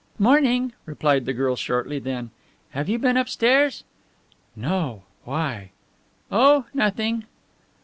"'Morning," replied the girl shortly; then: "Have you been upstairs?" "No why?" "Oh, nothing."